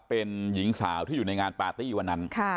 เป็นหญิงสาวที่อยู่ในงานปาร์ตี้วันนั้น